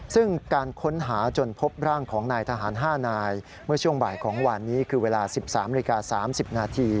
ซึ่งการค้นหาจนพบร่างของนายทหาร๕นายเมื่อช่วงบ่ายของวันนี้คือเวลา๑๓นาฬิกา๓๐นาที